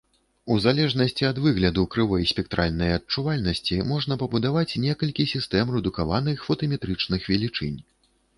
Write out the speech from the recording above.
У залежнасці ад выгляду крывой спектральнай адчувальнасці можна пабудаваць некалькі сістэм рэдукаваных фотаметрычных велічынь.